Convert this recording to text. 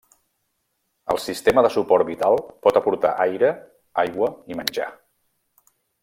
El sistema de suport vital pot aportar aire, aigua i menjar.